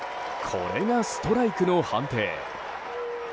これがストライクの判定。